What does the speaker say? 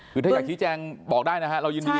คือถ้าอยากชี้แจงบอกได้นะฮะเรายินดี